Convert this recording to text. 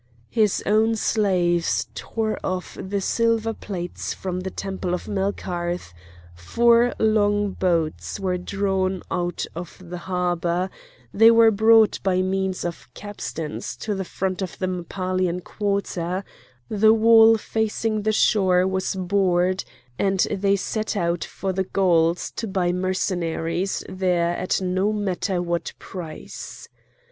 His own slaves tore off the silver plates from the temple of Melkarth; four long boats were drawn out of the harbour, they were brought by means of capstans to the foot of the Mappalian quarter, the wall facing the shore was bored, and they set out for the Gauls to buy Mercenaries there at no matter what price.